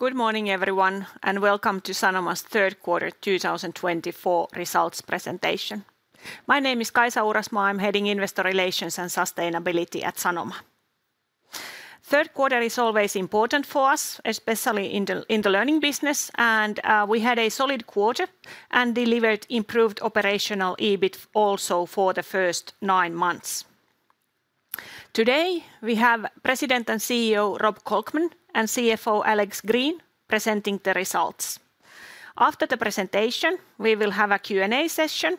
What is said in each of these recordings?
Good morning, everyone, and welcome to Sanoma's Third Quarter 2024 Results presentation. My name is Kaisa Uurasmaa. I'm heading Investor Relations and Sustainability at Sanoma. Third quarter is always important for us, especially in the learning business, and we had a solid quarter and delivered improved operational EBIT also for the first nine months. Today, we have President and CEO Rob Kolkman and CFO Alex Green presenting the results. After the presentation, we will have a Q&A session.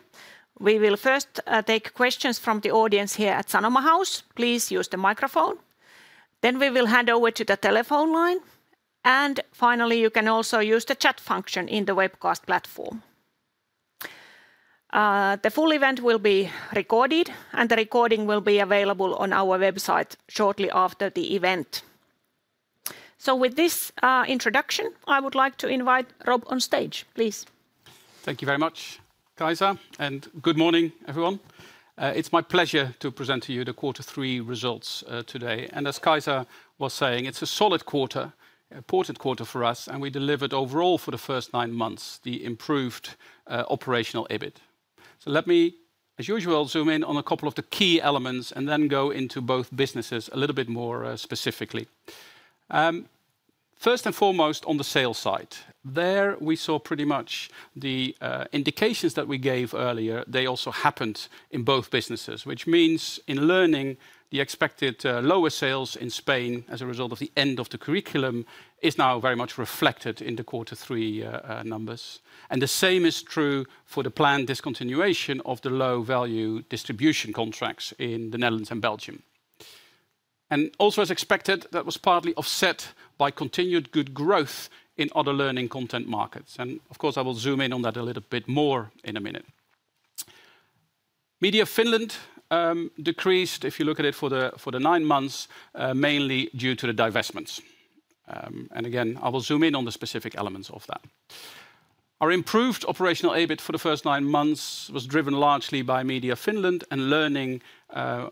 We will first take questions from the audience here at Sanoma House. Please use the microphone. Then we will hand over to the telephone line. And finally, you can also use the chat function in the webcast platform. The full event will be recorded, and the recording will be available on our website shortly after the event. So with this introduction, I would like to invite Rob on stage. Please. Thank you very much, Kaisa, and good morning, everyone. It's my pleasure to present to you the quarter three results today. And as Kaisa was saying, it's a solid quarter, important quarter for us, and we delivered overall for the first nine months the improved operational EBIT. So let me, as usual, zoom in on a couple of the key elements and then go into both businesses a little bit more specifically. First and foremost, on the sales side, there we saw pretty much the indications that we gave earlier. They also happened in both businesses, which means in learning, the expected lower sales in Spain as a result of the end of the curriculum is now very much reflected in the quarter three numbers. And the same is true for the planned discontinuation of the low-value distribution contracts in the Netherlands and Belgium. Also, as expected, that was partly offset by continued good growth in other learning content markets. Of course, I will zoom in on that a little bit more in a minute. Media Finland decreased, if you look at it for the nine months, mainly due to the divestments. Again, I will zoom in on the specific elements of that. Our improved Operational EBIT for the first nine months was driven largely by Media Finland, and Learning,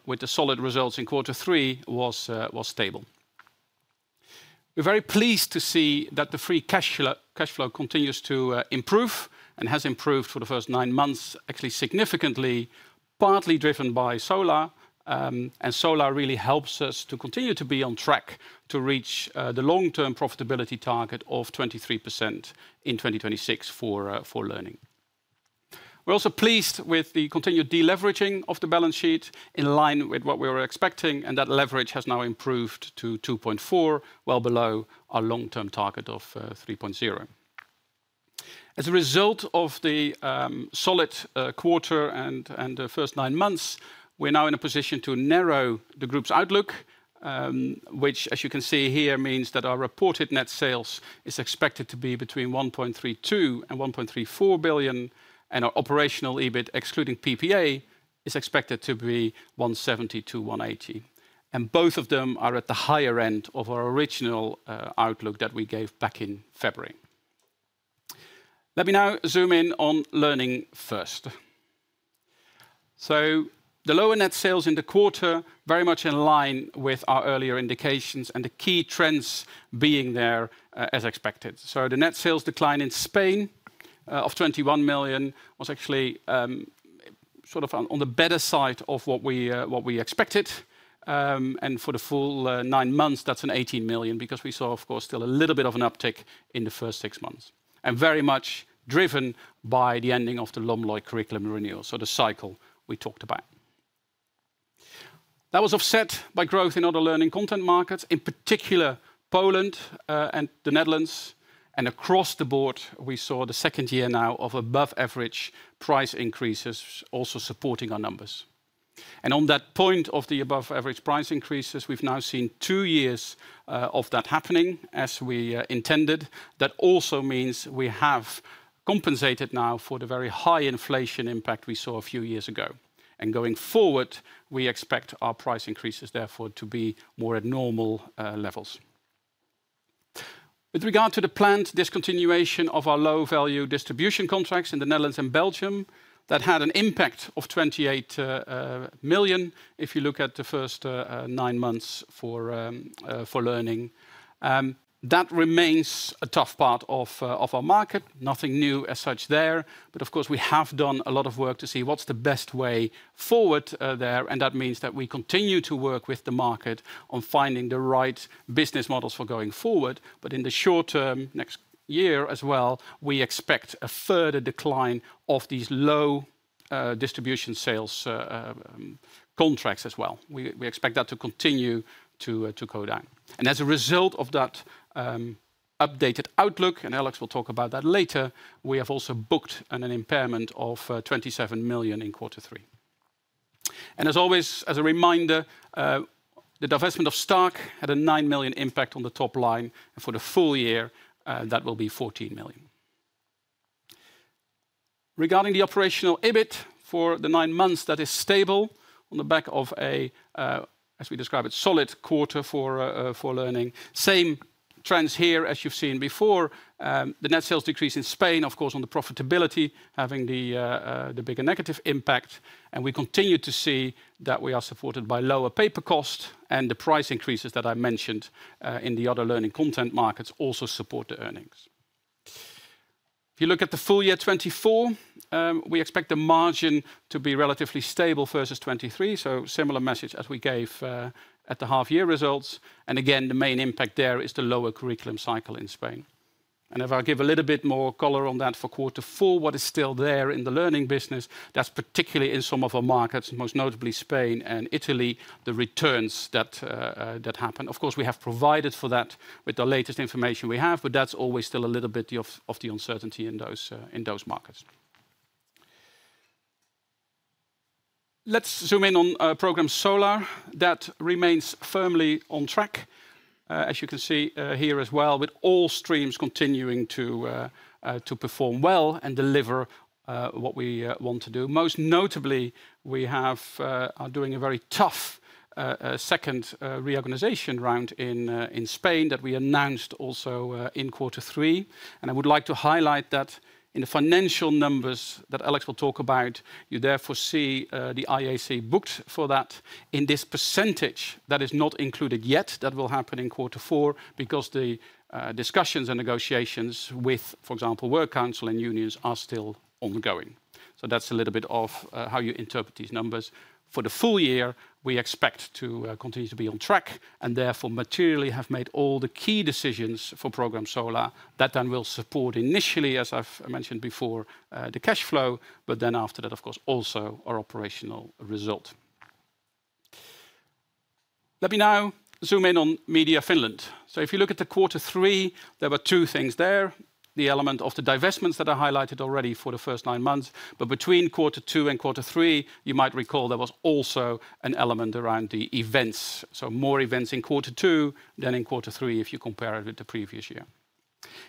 with the solid results in quarter three, was stable. We're very pleased to see that the Free Cash Flow continues to improve and has improved for the first nine months, actually significantly, partly driven by Solar. Solar really helps us to continue to be on track to reach the long-term profitability target of 23% in 2026 for Learning. We're also pleased with the continued deleveraging of the balance sheet in line with what we were expecting, and that leverage has now improved to 2.4, well below our long-term target of 3.0. As a result of the solid quarter and the first nine months, we're now in a position to narrow the group's outlook, which, as you can see here, means that our reported net sales is expected to be between 1.32 billion and 1.34 billion, and our operational EBIT, excluding PPA, is expected to be 170-180, and both of them are at the higher end of our original outlook that we gave back in February. Let me now zoom in on learning first, so the lower net sales in the quarter are very much in line with our earlier indications and the key trends being there as expected. So the net sales decline in Spain of 21 million was actually sort of on the better side of what we expected. And for the full nine months, that's an 18 million because we saw, of course, still a little bit of an uptick in the first six months and very much driven by the ending of the LOMLOE curriculum renewal, so the cycle we talked about. That was offset by growth in other learning content markets, in particular Poland and the Netherlands. And across the board, we saw the second year now of above-average price increases also supporting our numbers. And on that point of the above-average price increases, we've now seen two years of that happening as we intended. That also means we have compensated now for the very high inflation impact we saw a few years ago. Going forward, we expect our price increases therefore to be more at normal levels. With regard to the planned discontinuation of our low-value distribution contracts in the Netherlands and Belgium, that had an impact of 28 million if you look at the first nine months for learning. That remains a tough part of our market. Nothing new as such there. Of course, we have done a lot of work to see what's the best way forward there. And that means that we continue to work with the market on finding the right business models for going forward. In the short term, next year as well, we expect a further decline of these low distribution sales contracts as well. We expect that to continue to go down. As a result of that updated outlook, and Alex will talk about that later, we have also booked an impairment of 27 million in quarter three. As always, as a reminder, the divestment of Stark had a 9 million impact on the top line. For the full year, that will be 14 million. Regarding the operational EBIT for the nine months, that is stable on the back of a, as we describe it, solid quarter for learning. Same trends here as you've seen before. The net sales decrease in Spain, of course, on the profitability, having the bigger negative impact. We continue to see that we are supported by lower paper costs and the price increases that I mentioned in the other learning content markets also support the earnings. If you look at the full year 2024, we expect the margin to be relatively stable versus 2023, so similar message as we gave at the half-year results. And again, the main impact there is the lower curriculum cycle in Spain. And if I give a little bit more color on that for quarter four, what is still there in the learning business, that's particularly in some of our markets, most notably Spain and Italy, the returns that happen. Of course, we have provided for that with the latest information we have, but that's always still a little bit of the uncertainty in those markets. Let's zoom in on Program Solar. That remains firmly on track, as you can see here as well, with all streams continuing to perform well and deliver what we want to do. Most notably, we are doing a very tough second reorganization round in Spain that we announced also in quarter three, and I would like to highlight that in the financial numbers that Alex will talk about, you therefore see the IAC booked for that in this percentage that is not included yet that will happen in quarter four because the discussions and negotiations with, for example, works council and unions are still ongoing, so that's a little bit of how you interpret these numbers. For the full year, we expect to continue to be on track and therefore materially have made all the key decisions for Program Solar that then will support initially, as I've mentioned before, the cash flow, but then after that, of course, also our operational result. Let me now zoom in on Media Finland. So if you look at the quarter three, there were two things there, the element of the divestments that are highlighted already for the first nine months. But between quarter two and quarter three, you might recall there was also an element around the events. So more events in quarter two than in quarter three if you compare it with the previous year.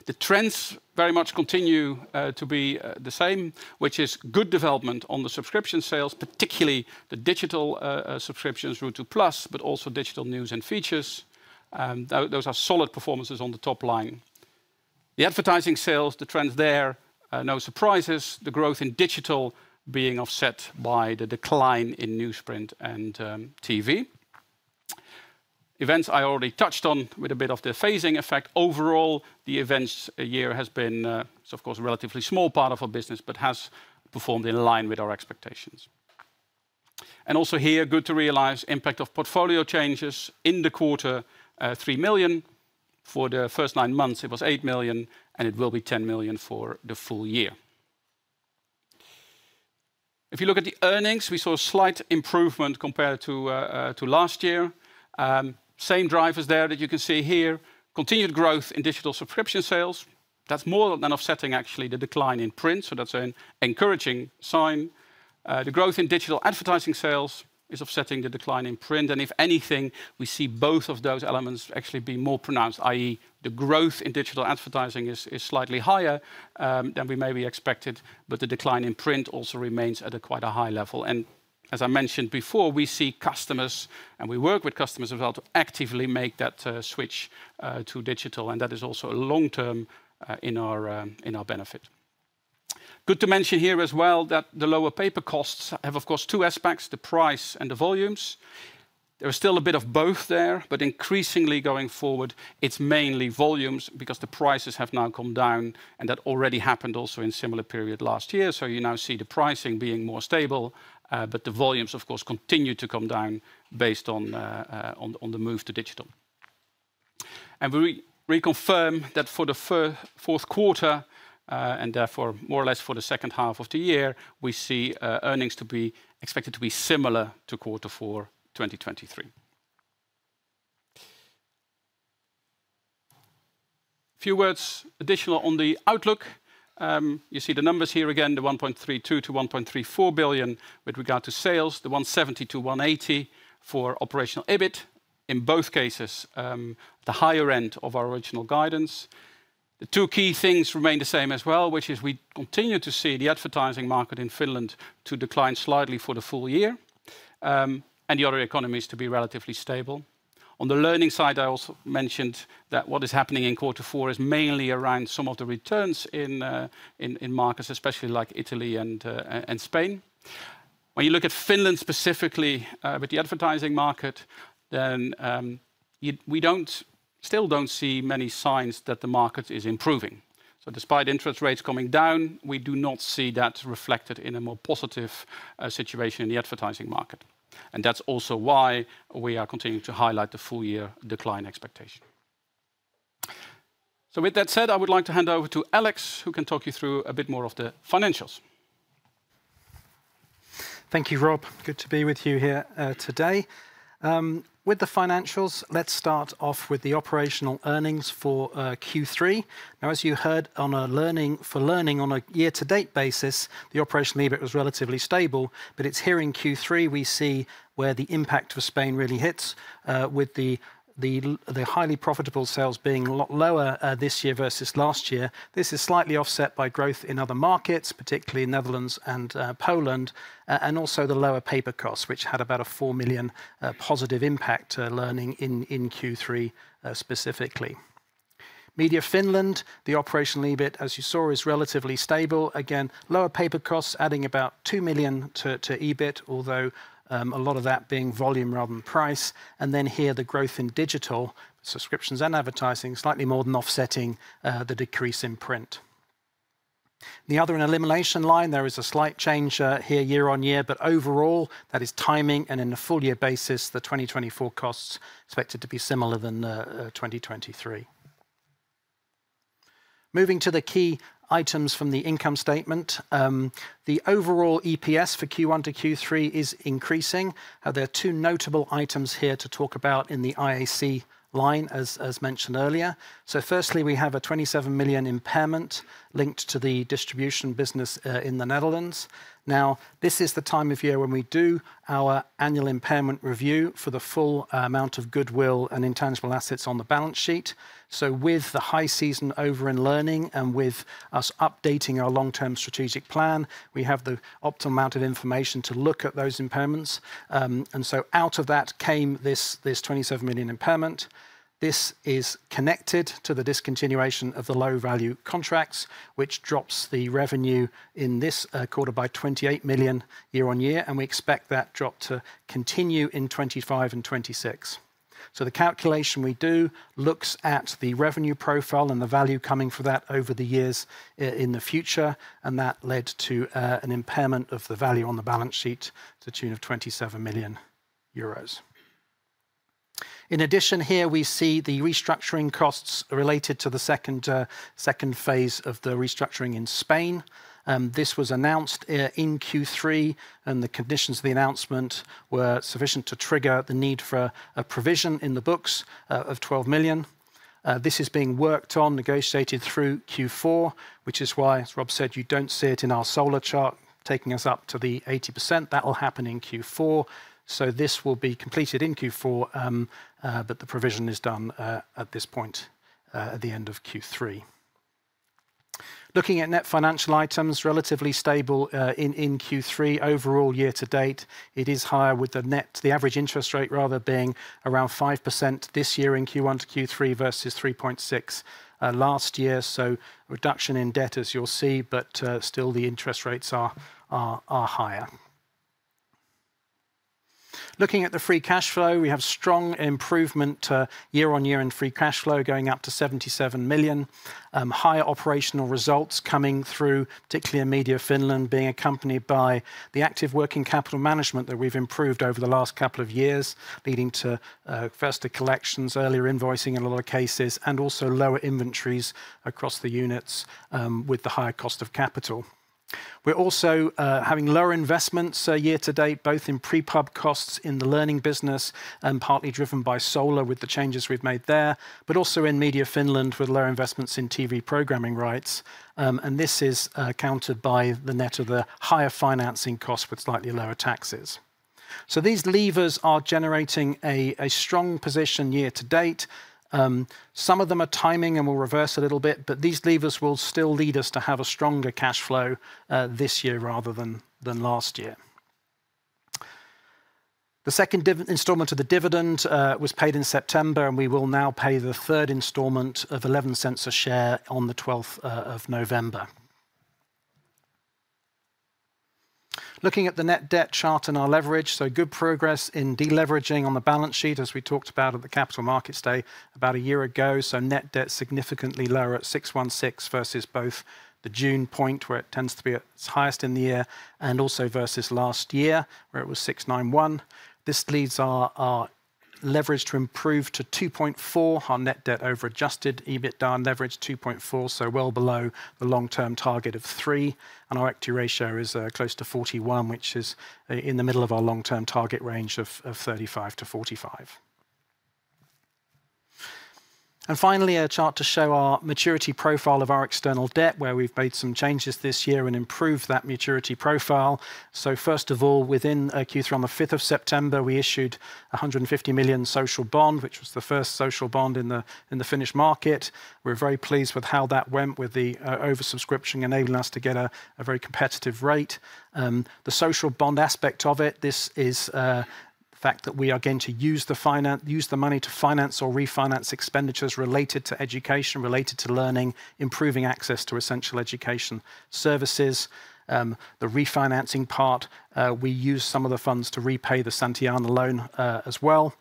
The trends very much continue to be the same, which is good development on the subscription sales, particularly the digital subscriptions through Ruutu+, but also digital news and features. Those are solid performances on the top line. The advertising sales, the trends there, no surprises, the growth in digital being offset by the decline in newsprint and TV. Events I already touched on with a bit of the phasing effect. Overall, the events year has been, of course, a relatively small part of our business, but has performed in line with our expectations, and also here, good to realize impact of portfolio changes in the quarter, 3 million. For the first nine months, it was 8 million, and it will be 10 million for the full year. If you look at the earnings, we saw a slight improvement compared to last year. Same drivers there that you can see here, continued growth in digital subscription sales. That's more than offsetting actually the decline in print, so that's an encouraging sign. The growth in digital advertising sales is offsetting the decline in print, and if anything, we see both of those elements actually be more pronounced, i.e., the growth in digital advertising is slightly higher than we maybe expected, but the decline in print also remains at quite a high level. And as I mentioned before, we see customers, and we work with customers as well to actively make that switch to digital. And that is also long-term in our benefit. Good to mention here as well that the lower paper costs have, of course, two aspects, the price and the volumes. There is still a bit of both there, but increasingly going forward, it's mainly volumes because the prices have now come down, and that already happened also in a similar period last year. So you now see the pricing being more stable, but the volumes, of course, continue to come down based on the move to digital. And we reconfirm that for the fourth quarter, and therefore more or less for the second half of the year, we see earnings to be expected to be similar to quarter four 2023. A few words additional on the outlook. You see the numbers here again, the 1.32-1.34 billion with regard to sales, the 170-180 for operational EBIT in both cases, the higher end of our original guidance. The two key things remain the same as well, which is we continue to see the advertising market in Finland to decline slightly for the full year and the other economies to be relatively stable. On the learning side, I also mentioned that what is happening in quarter four is mainly around some of the returns in markets, especially like Italy and Spain. When you look at Finland specifically with the advertising market, then we still don't see many signs that the market is improving, so despite interest rates coming down, we do not see that reflected in a more positive situation in the advertising market. And that's also why we are continuing to highlight the full year decline expectation. So with that said, I would like to hand over to Alex, who can talk you through a bit more of the financials. Thank you, Rob. Good to be with you here today. With the financials, let's start off with the operational earnings for Q3. Now, as you heard, in Learning on a year-to-date basis, the operational EBIT was relatively stable, but it's here in Q3 we see where the impact for Spain really hits, with the highly profitable sales being a lot lower this year versus last year. This is slightly offset by growth in other markets, particularly Netherlands and Poland, and also the lower paper costs, which had about a 4 million positive impact in Learning in Q3 specifically. Media Finland, the operational EBIT, as you saw, is relatively stable. Again, lower paper costs adding about a 2 million to EBIT, although a lot of that being volume rather than price, and then here the growth in digital subscriptions and advertising slightly more than offsetting the decrease in print. The other in elimination line, there is a slight change here year on year, but overall that is timing. In the full year basis, the 2024 costs expected to be similar than 2023. Moving to the key items from the income statement, the overall EPS for Q1-Q3 is increasing. There are two notable items here to talk about in the IAC line, as mentioned earlier. Firstly, we have a 27 million impairment linked to the distribution business in the Netherlands. Now, this is the time of year when we do our annual impairment review for the full amount of goodwill and intangible assets on the balance sheet. With the high season over in learning and with us updating our long-term strategic plan, we have the optimal amount of information to look at those impairments. Out of that came this 27 million impairment. This is connected to the discontinuation of the low-value contracts, which drops the revenue in this quarter by 28 million year on year, and we expect that drop to continue in 2025 and 2026, so the calculation we do looks at the revenue profile and the value coming for that over the years in the future, and that led to an impairment of the value on the balance sheet to the tune of 27 million euros. In addition, here we see the restructuring costs related to the second phase of the restructuring in Spain. This was announced in Q3, and the conditions of the announcement were sufficient to trigger the need for a provision in the books of 12 million. This is being worked on, negotiated through Q4, which is why Rob said you don't see it in our Solar chart taking us up to the 80%. That will happen in Q4. So this will be completed in Q4, but the provision is done at this point at the end of Q3. Looking at net financial items, relatively stable in Q3 overall year to date. It is higher with the net, the average interest rate rather being around 5% this year in Q1 to Q3 versus 3.6% last year. So reduction in debt, as you'll see, but still the interest rates are higher. Looking at the free cash flow, we have strong improvement year on year in free cash flow going up to 77 million. Higher operational results coming through, particularly in Media Finland being accompanied by the active working capital management that we've improved over the last couple of years, leading to faster collections, earlier invoicing in a lot of cases, and also lower inventories across the units with the higher cost of capital. We're also having lower investments year to date, both in pre-pub costs in the learning business and partly driven by Solar with the changes we've made there, but also in Media Finland with lower investments in TV programming rights, and this is countered by the net of the higher financing costs with slightly lower taxes, so these levers are generating a strong position year to date. Some of them are timing and will reverse a little bit, but these levers will still lead us to have a stronger cash flow this year rather than last year. The second installment of the dividend was paid in September, and we will now pay the third installment of 0.11 a share on the November 12th. Looking at the Net Debt chart and our Leverage, so good progress in deleveraging on the balance sheet, as we talked about at the Capital Markets Day about a year ago. So Net Debt significantly lower at 616 versus both the June point where it tends to be at its highest in the year and also versus last year where it was 691. This leads our Leverage to improve to 2.4, our Net Debt over Adjusted EBIT down Leverage 2.4, so well below the long-term target of 3. And our equity ratio is close to 41, which is in the middle of our long-term target range of 35-45. And finally, a chart to show our maturity profile of our external debt where we've made some changes this year and improved that maturity profile. First of all, within Q3 on the 5th of September, we issued 150 million social bond, which was the first social bond in the Finnish market. We're very pleased with how that went with the oversubscription enabling us to get a very competitive rate. The social bond aspect of it, this is the fact that we are going to use the money to finance or refinance expenditures related to education, related to learning, improving access to essential education services. The refinancing part, we use some of the funds to repay the Santillana loan as well.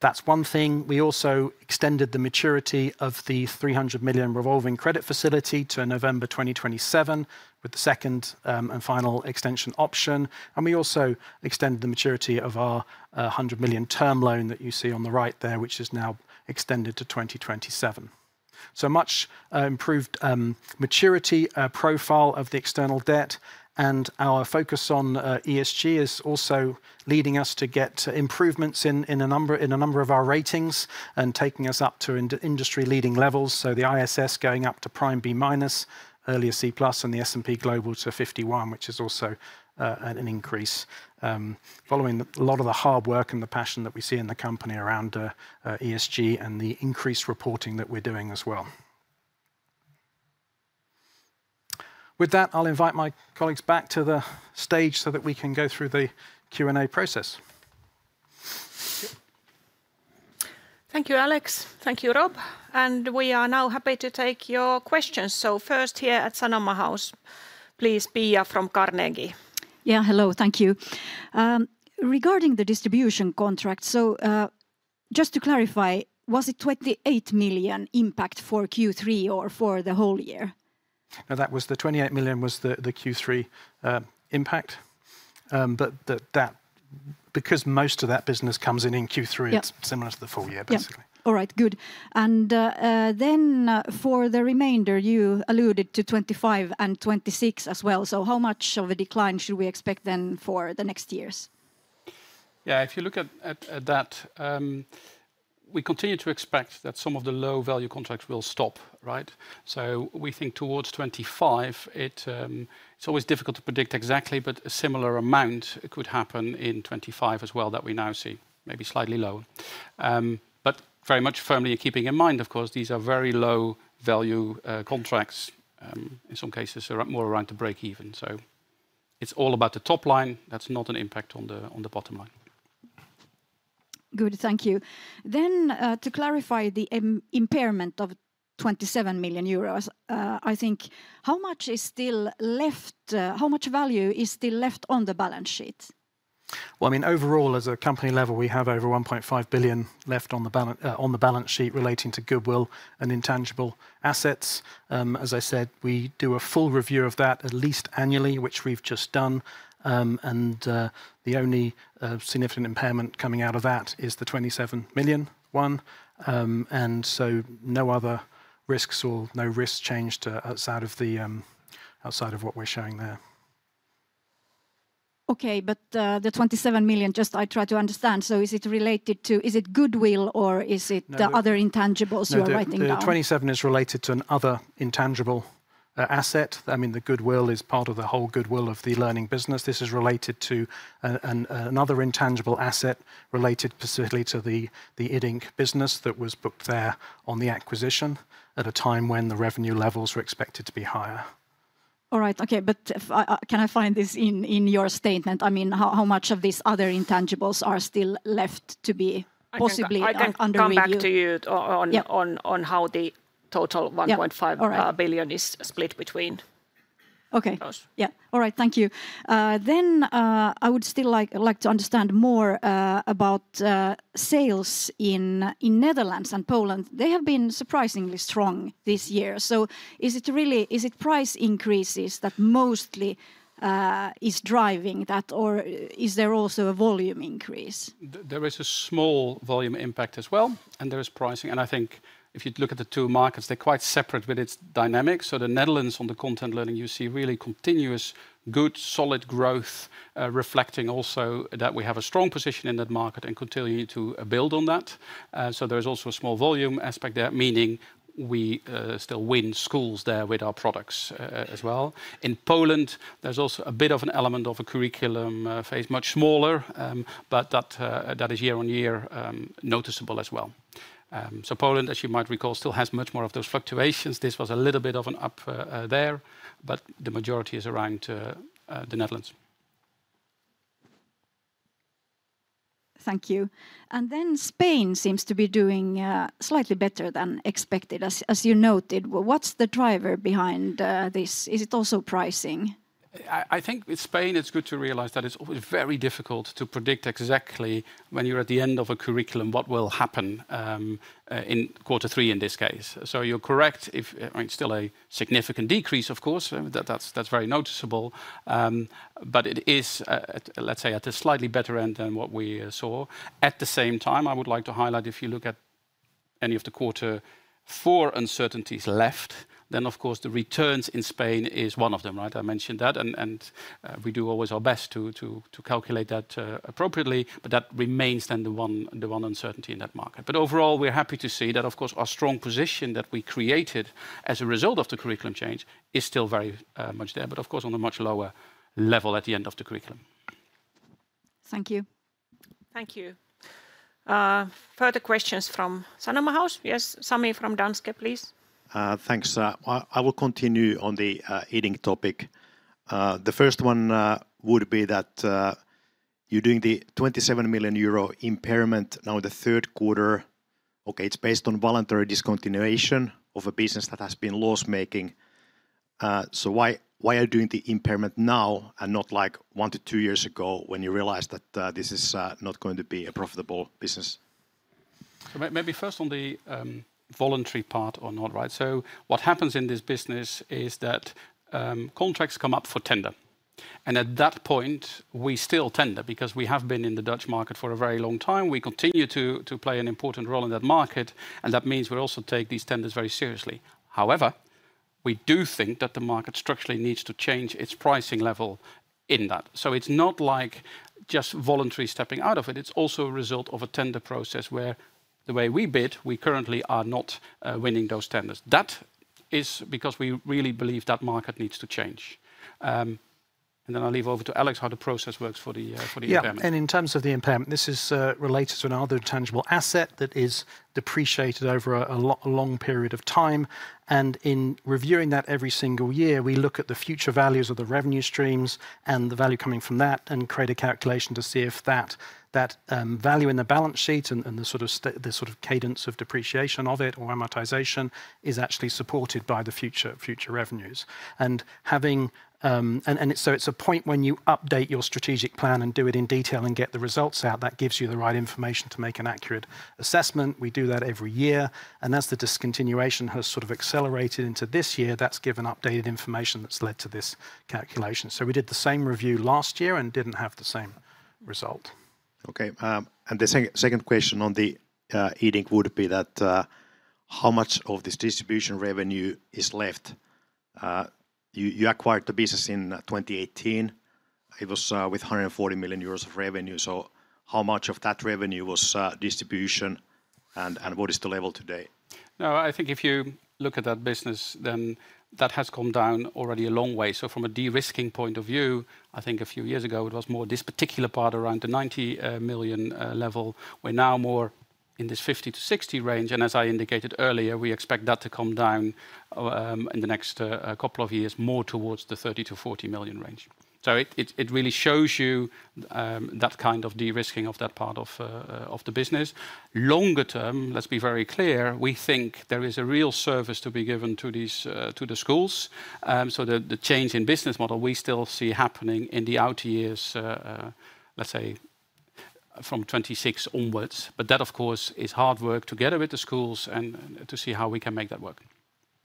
That's one thing. We also extended the maturity of the 300 million revolving credit facility to November 2027 with the second and final extension option. And we also extended the maturity of our 100 million term loan that you see on the right there, which is now extended to 2027. So much improved maturity profile of the external debt. And our focus on ESG is also leading us to get improvements in a number of our ratings and taking us up to industry leading levels. So the ISS going up to Prime B-minus, earlier C+ and the S&P Global to 51, which is also an increase following a lot of the hard work and the passion that we see in the company around ESG and the increased reporting that we're doing as well. With that, I'll invite my colleagues back to the stage so that we can go through the Q&A process. Thank you, Alex. Thank you, Rob. And we are now happy to take your questions. So first here at Sanoma House, please, Pia from Carnegie. Yeah, hello, thank you. Regarding the distribution contract, so just to clarify, was it 28 million impact for Q3 or for the whole year? That was the 28 million was the Q3 impact. But that, because most of that business comes in Q3, it's similar to the full year basically. Yeah, all right, good. And then for the remainder, you alluded to 2025 and 2026 as well. So how much of a decline should we expect then for the next years? Yeah, if you look at that, we continue to expect that some of the low-value contracts will stop, right? So we think towards 2025, it's always difficult to predict exactly, but a similar amount could happen in 2025 as well that we now see, maybe slightly lower. But very much firmly keeping in mind, of course, these are very low-value contracts. In some cases, they're more around to break even. So it's all about the top line. That's not an impact on the bottom line. Good, thank you. Then to clarify the impairment of 27 million euros, I think how much is still left, how much value is still left on the balance sheet? I mean, overall, as a company level, we have over 1.5 billion left on the balance sheet relating to goodwill and intangible assets. As I said, we do a full review of that at least annually, which we've just done. The only significant impairment coming out of that is the 27 million one. So no other risks or no risk change outside of what we're showing there. Okay, but the 27 million, just I try to understand, so is it related to, is it goodwill or is it the other intangibles you are writing down? No, the 27 is related to another intangible asset. I mean, the goodwill is part of the whole goodwill of the learning business. This is related to another intangible asset related specifically to the Iddink business that was booked there on the acquisition at a time when the revenue levels were expected to be higher. All right, okay, but can I find this in your statement? I mean, how much of these other intangibles are still left to be possibly impaired? I can come back to you on how the total 1.5 billion is split between those. Okay, yeah, all right, thank you. Then I would still like to understand more about sales in Netherlands and Poland. They have been surprisingly strong this year. So is it really, is it price increases that mostly is driving that, or is there also a volume increase? There is a small volume impact as well, and there is pricing. I think if you look at the two markets, they're quite separate with its dynamics. The Netherlands on the content learning you see really continuous good solid growth reflecting also that we have a strong position in that market and continue to build on that. There is also a small volume aspect there, meaning we still win schools there with our products as well. In Poland, there's also a bit of an element of a curriculum phase, much smaller, but that is year on year noticeable as well. Poland, as you might recall, still has much more of those fluctuations. This was a little bit of an up there, but the majority is around the Netherlands. Thank you. And then Spain seems to be doing slightly better than expected, as you noted. What's the driver behind this? Is it also pricing? I think with Spain, it's good to realize that it's very difficult to predict exactly when you're at the end of a curriculum what will happen in quarter three in this case. So you're correct, I mean, still a significant decrease, of course, that's very noticeable. But it is, let's say, at a slightly better end than what we saw. At the same time, I would like to highlight if you look at any of the quarter four uncertainties left, then of course the returns in Spain is one of them, right? I mentioned that, and we do always our best to calculate that appropriately, but that remains then the one uncertainty in that market. Overall, we're happy to see that, of course, our strong position that we created as a result of the curriculum change is still very much there, but of course on a much lower level at the end of the curriculum. Thank you. Thank you. Further questions from Sanoma House? Yes, Sami from Danske, please. Thanks, Sara. I will continue on the Iddink topic. The first one would be that you're doing the 27 million euro impairment now in the third quarter. Okay, it's based on voluntary discontinuation of a business that has been loss-making. So why are you doing the impairment now and not like one to two years ago when you realized that this is not going to be a profitable business? Maybe first on the voluntary part or not, right, so what happens in this business is that contracts come up for tender, and at that point, we still tender because we have been in the Dutch market for a very long time. We continue to play an important role in that market, and that means we also take these tenders very seriously. However, we do think that the market structurally needs to change its pricing level in that, so it's not like just voluntary stepping out of it. It's also a result of a tender process where the way we bid, we currently are not winning those tenders. That is because we really believe that market needs to change, and then I'll leave over to Alex how the process works for the impairment. Yeah, and in terms of the impairment, this is related to another tangible asset that is depreciated over a long period of time, and in reviewing that every single year, we look at the future values of the revenue streams and the value coming from that and create a calculation to see if that value in the balance sheet and the sort of cadence of depreciation of it or amortization is actually supported by the future revenues, and so it's a point when you update your strategic plan and do it in detail and get the results out that gives you the right information to make an accurate assessment. We do that every year, and as the discontinuation has sort of accelerated into this year, that's given updated information that's led to this calculation, so we did the same review last year and didn't have the same result. Okay, and the second question on the Iddink would be that how much of this distribution revenue is left? You acquired the business in 2018. It was with 140 million euros of revenue. So how much of that revenue was distribution and what is the level today? No, I think if you look at that business, then that has come down already a long way. So from a de-risking point of view, I think a few years ago it was more this particular part around the 90 million level. We're now more in this 50-60 range. And as I indicated earlier, we expect that to come down in the next couple of years more towards the 30-40 million range. So it really shows you that kind of de-risking of that part of the business. Longer term, let's be very clear, we think there is a real service to be given to the schools. So the change in business model we still see happening in the outer years, let's say from 2026 onwards. But that, of course, is hard work together with the schools and to see how we can make that work.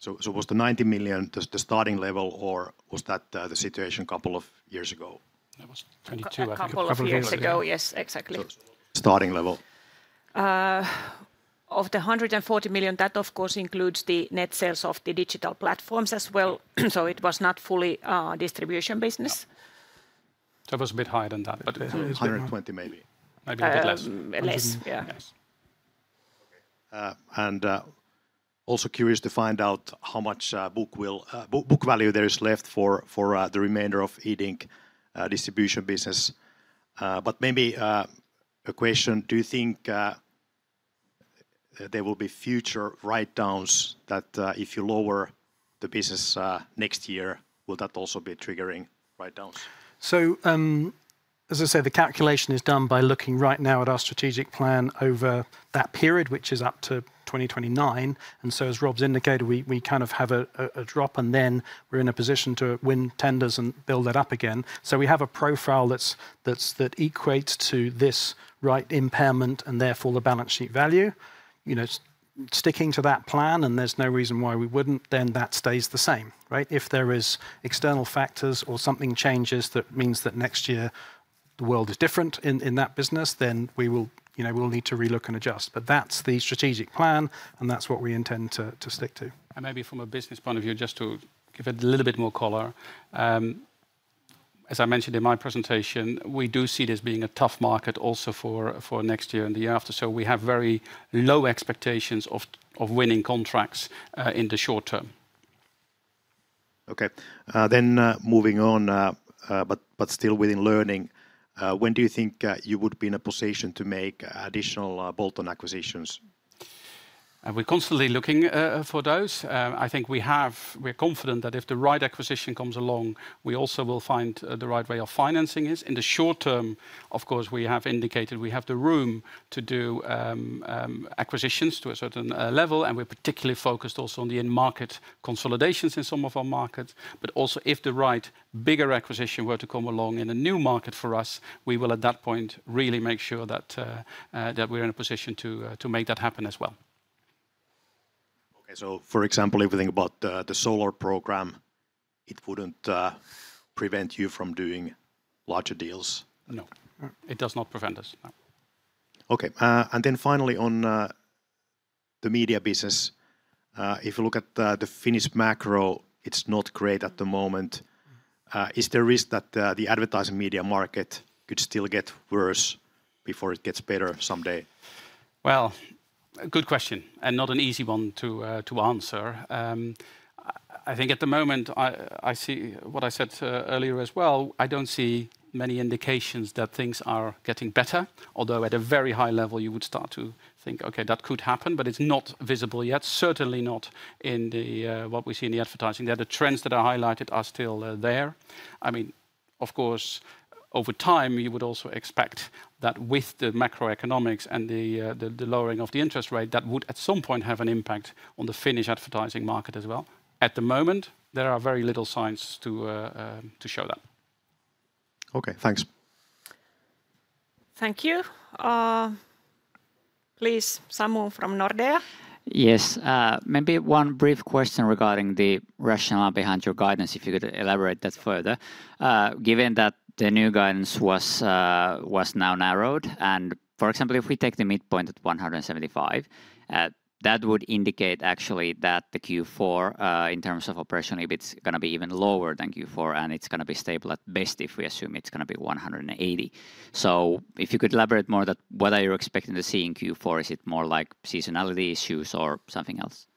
Was the 90 million the starting level or was that the situation a couple of years ago? That was 22, I think. A couple of years ago, yes, exactly. Starting level? Of the 140 million, that of course includes the net sales of the digital platforms as well. So it was not fully a distribution business. That was a bit higher than that. 120 maybe. Maybe a bit less. Less, yeah. And also curious to find out how much book value there is left for the remainder of Iddink distribution business. But maybe a question, do you think there will be future write-downs that if you lower the business next year, will that also be triggering write-downs? As I say, the calculation is done by looking right now at our strategic plan over that period, which is up to 2029. And so as Rob's indicated, we kind of have a drop and then we're in a position to win tenders and build that up again. So we have a profile that equates to this right impairment and therefore the balance sheet value. Sticking to that plan and there's no reason why we wouldn't, then that stays the same, right? If there are external factors or something changes that means that next year the world is different in that business, then we will need to relook and adjust. But that's the strategic plan and that's what we intend to stick to. And maybe from a business point of view, just to give it a little bit more color, as I mentioned in my presentation, we do see this being a tough market also for next year and the year after. So we have very low expectations of winning contracts in the short term. Okay, then moving on, but still within learning, when do you think you would be in a position to make additional bolt-on acquisitions? We're constantly looking for those. I think we're confident that if the right acquisition comes along, we also will find the right way of financing is. In the short term, of course, we have indicated we have the room to do acquisitions to a certain level. And we're particularly focused also on the in-market consolidations in some of our markets. But also if the right bigger acquisition were to come along in a new market for us, we will at that point really make sure that we're in a position to make that happen as well. Okay, so for example, everything about the Solar program, it wouldn't prevent you from doing larger deals? No, it does not prevent us, no. Okay, and then finally on the media business, if you look at the Finnish macro, it's not great at the moment. Is there risk that the advertising media market could still get worse before it gets better someday? Good question and not an easy one to answer. I think at the moment, I see what I said earlier as well. I don't see many indications that things are getting better, although at a very high level you would start to think, okay, that could happen, but it's not visible yet, certainly not in what we see in the advertising. The trends that are highlighted are still there. I mean, of course, over time you would also expect that with the macroeconomics and the lowering of the interest rate, that would at some point have an impact on the Finnish advertising market as well. At the moment, there are very little signs to show that. Okay, thanks. Thank you. Please, someone from Nordea. Yes, maybe one brief question regarding the rationale behind your guidance, if you could elaborate that further. Given that the new guidance was now narrowed, and for example, if we take the midpoint at 175, that would indicate actually that the Q4 in terms of Operational EBIT is going to be even lower than Q4 and it's going to be stable at best if we assume it's going to be 180. So if you could elaborate more that what are you expecting to see in Q4, is it more like seasonality issues or something else?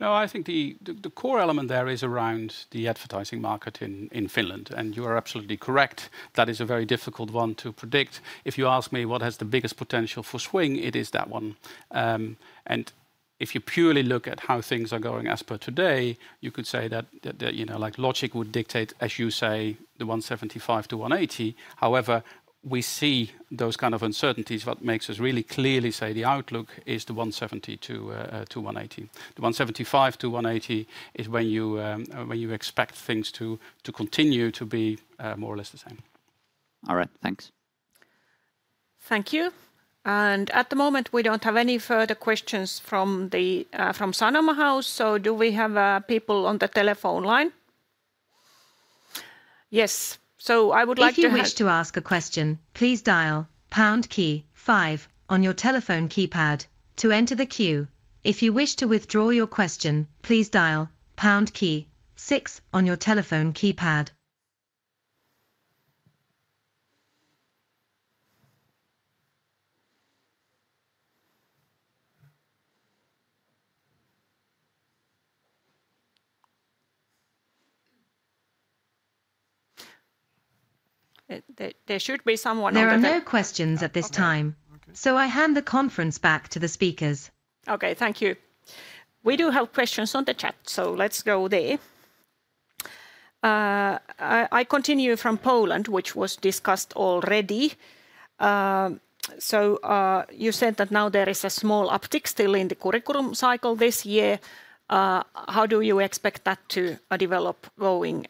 No, I think the core element there is around the advertising market in Finland, and you are absolutely correct. That is a very difficult one to predict. If you ask me what has the biggest potential for swing, it is that one, and if you purely look at how things are going as per today, you could say that logic would dictate, as you say, 175-180. However, we see those kinds of uncertainties. What makes us really clearly say the outlook is 170-180. The 175-180 is when you expect things to continue to be more or less the same. All right, thanks. Thank you. And at the moment, we don't have any further questions from Sanoma House. So do we have people on the telephone line? Yes. So I would like to. If you wish to ask a question, please dial pound key five on your telephone keypad to enter the queue. If you wish to withdraw your question, please dial pound key six on your telephone keypad. There should be someone over there. There are no questions at this time. So I hand the conference back to the speakers. Okay, thank you. We do have questions on the chat, so let's go there. I continue from Poland, which was discussed already. So you said that now there is a small uptick still in the curriculum cycle this year. How do you expect that to develop going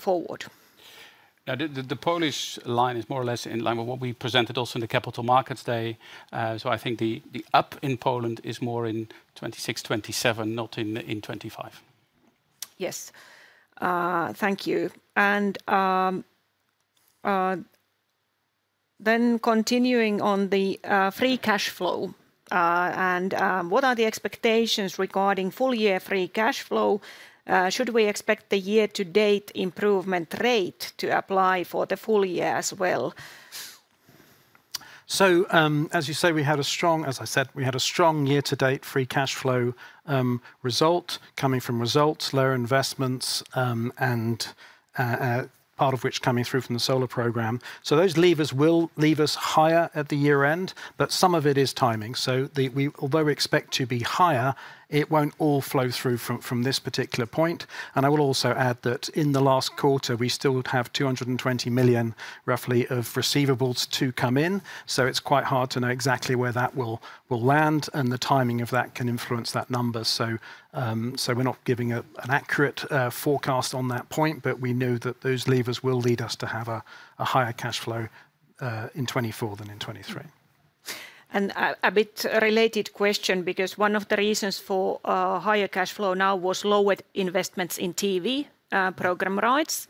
forward? The Polish line is more or less in line with what we presented also in the Capital Markets Day. So I think the up in Poland is more in 2026, 2027, not in 2025. Yes, thank you. And then continuing on the free cash flow, and what are the expectations regarding full year free cash flow? Should we expect the year-to-date improvement rate to apply for the full year as well? So as you say, we had a strong, as I said, we had a strong year-to-date free cash flow result coming from results, lower investments, and part of which coming through from the Solar program. Those levers will leave us higher at the year-end, but some of it is timing. Although we expect to be higher, it won't all flow through from this particular point. I will also add that in the last quarter, we still have roughly 220 million of receivables to come in. It's quite hard to know exactly where that will land, and the timing of that can influence that number. We're not giving an accurate forecast on that point, but we know that those levers will lead us to have a higher cash flow in 2024 than in 2023. A bit related question, because one of the reasons for higher cash flow now was lowered investments in TV program rights.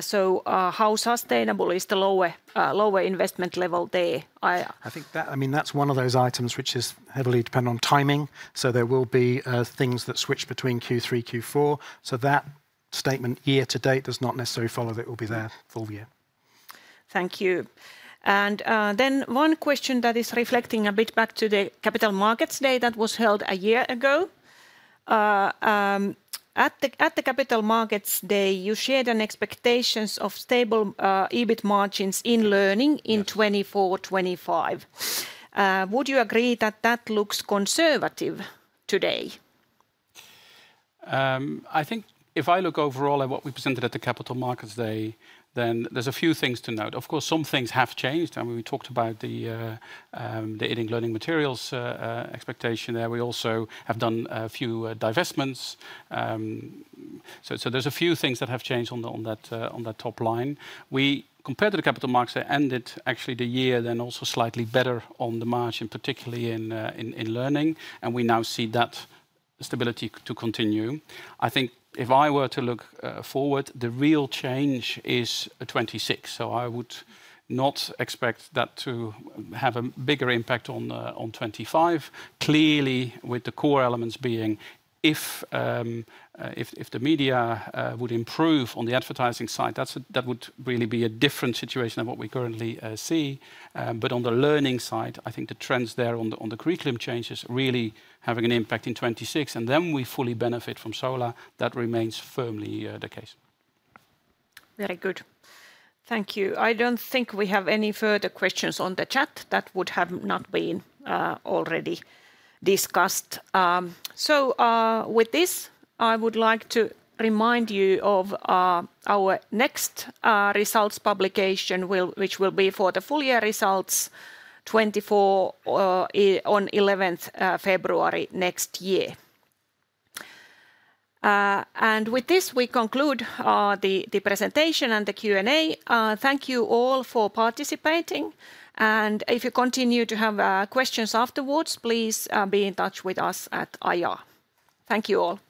So how sustainable is the lower investment level there? I think that, I mean, that's one of those items which is heavily dependent on timing. So there will be things that switch between Q3, Q4. So that statement year-to-date does not necessarily follow that it will be there full year. Thank you. And then one question that is reflecting a bit back to the Capital Markets Day that was held a year ago. At the Capital Markets Day, you shared an expectation of stable EBIT margins in learning in 2024, 2025. Would you agree that that looks conservative today? I think if I look overall at what we presented at the Capital Markets Day, then there's a few things to note. Of course, some things have changed. I mean, we talked about the Iddink learning materials expectation there. We also have done a few divestments, so there's a few things that have changed on that top line. We compared to the Capital Markets Day and it actually the year then also slightly better on the margin, particularly in learning, and we now see that stability to continue. I think if I were to look forward, the real change is 2026, so I would not expect that to have a bigger impact on 2025. Clearly, with the core elements being, if the media would improve on the advertising side, that would really be a different situation than what we currently see. But on the learning side, I think the trends there on the curriculum changes really having an impact in 2026. And then we fully benefit from Solar. That remains firmly the case. Very good. Thank you. I don't think we have any further questions on the chat that would have not been already discussed. So with this, I would like to remind you of our next results publication, which will be for the full year results February 11th, 2024 next year. And with this, we conclude the presentation and the Q&A. Thank you all for participating. And if you continue to have questions afterwards, please be in touch with us at IR. Thank you all.